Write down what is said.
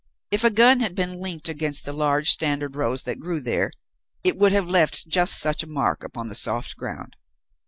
If a gun had been leant up against the large standard rose that grew there, it would have left just such a mark upon the soft ground.